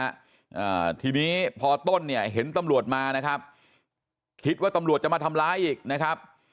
อ่าทีนี้พอต้นเนี่ยเห็นตำรวจมานะครับคิดว่าตำรวจจะมาทำร้ายอีกนะครับ